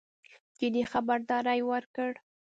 جدي خبرداری ورکړ.